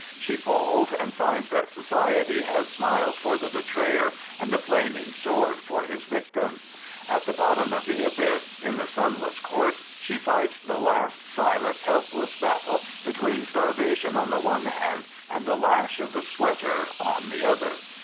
She falls, and finds that society has smiles for the betrayer and the flaming sword for his victim. At the bottom of the abyss, in the sunless court, she fights the last silent, helpless battle between starvation on the one hand and the lash of the sweater on the other.